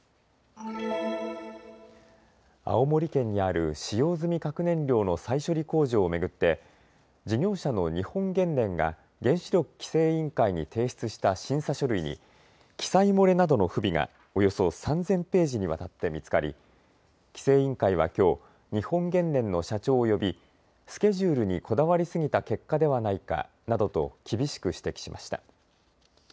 青森県にある使用済み核燃料の再処理工場を巡って事業者の日本原燃が原子力規制委員会に提出した審査書類に記載漏れなどの不備がおよそ３０００ページにわたって見つかり規制委員会はきょう日本原燃の社長を呼びスケジュールにこだわりすぎた結果ではないかなどと厳しく指摘しました。